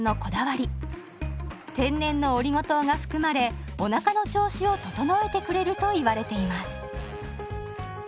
天然のオリゴ糖が含まれおなかの調子を整えてくれるといわれています。